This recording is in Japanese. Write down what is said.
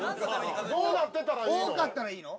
どうなってたらいいの？